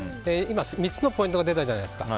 ３つのポイントが出たじゃないですか。